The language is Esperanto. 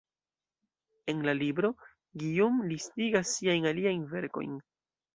En la libro, Guillaume listigas siajn aliajn verkojn.